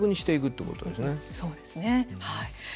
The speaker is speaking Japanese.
そうですね、はい。